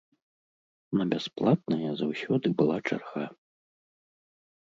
На бясплатнае заўсёды была чарга.